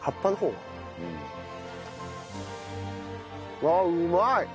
うわうまい！